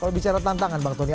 kalau bicara tantangan bang tony